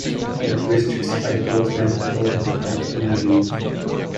The twisted spike was then topped off in June.